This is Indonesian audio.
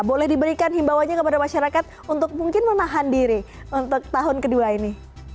boleh diberikan himbauannya kepada masyarakat untuk mungkin menahan diri untuk tahun ke dua ini